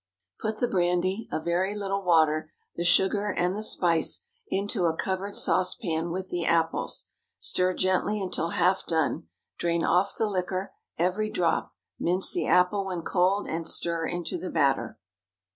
Put the brandy, a very little water, the sugar, and the spice into a covered saucepan with the apples. Stir gently until half done; drain off the liquor, every drop; mince the apple when cold, and stir into the batter.